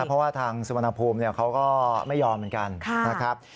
เพราะว่าทางสุวรรณภูมิเขาก็ไม่ยอมเหมือนกันนะครับ